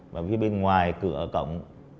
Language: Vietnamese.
và phía bên ngoài cửa cổng